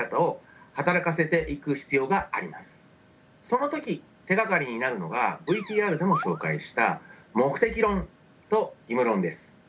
その時手がかりになるのがＶＴＲでも紹介した目的論と義務論です。